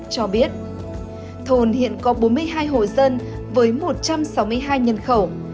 cho biết thôn hiện có bốn mươi hai hộ dân với một trăm sáu mươi hai nhân khẩu